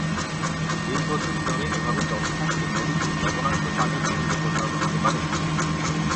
দীর্ঘদিন ধরে এভাবে চলতে থাকলে নদীটি লবণাক্ত পানির নদীতে পরিণত হতে পারে।